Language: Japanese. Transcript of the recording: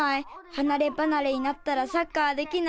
はなればなれになったらサッカーできない。